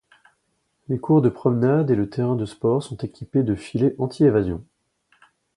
Les cours de promenade et le terrain de sport sont équipés de filets anti-évasion.